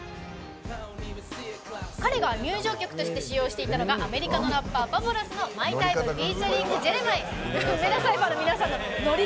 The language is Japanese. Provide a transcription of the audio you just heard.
彼が入場曲として使用していたのがアメリカのラッパーファボラスの「マイ・タイムｆｅａｔ．ジェレマイ」。